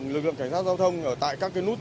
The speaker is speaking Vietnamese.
lực lượng cảnh sát giao thông tại các nút